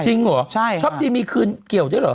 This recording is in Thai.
จริงเหรอช็อปดีมีคืนเกี่ยวใช่เหรอ